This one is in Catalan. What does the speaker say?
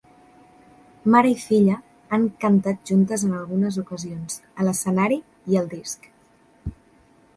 Mare i filla han cantat juntes en algunes ocasions, a l'escenari i al disc.